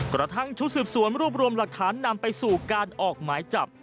กระทั่งชุดสืบสวนรวบรวมหลักฐานนำไปสู่การออกหมายจับ